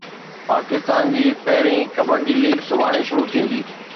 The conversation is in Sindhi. پاڪستان جي پهرين ڪبڊي ليگ سڀاڻي شروع ٿيندي